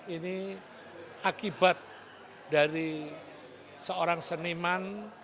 ini akibat dari seorang seniman